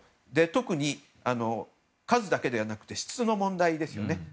特に数だけではなくて質の問題ですよね。